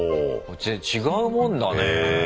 違うもんだねえ。へ。